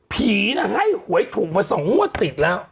ผีนะให้หวยถุงมาส่งหัวติดแล้ว